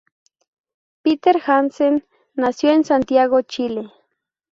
Peter Hansen nació en Santiago, Chile.